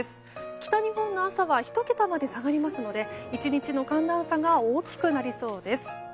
北日本の朝は１桁まで下がりますので１日の寒暖差が大きくなりそうです。